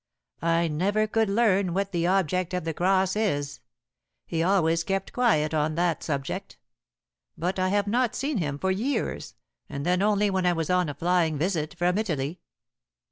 I never could learn what the object of the cross is. He always kept quiet on that subject. But I have not seen him for years, and then only when I was on a flying visit from Italy."